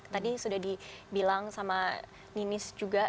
tadi sudah dibilang sama ninis juga